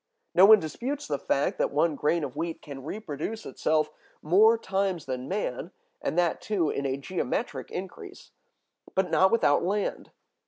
(183) No one disputes the fact that one grain of wheat can reproduce itself more times than man, and that too in a geometric increase; but not without land.